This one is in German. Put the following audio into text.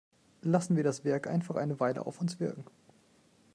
Lassen wir das Werk einfach eine Weile auf uns wirken!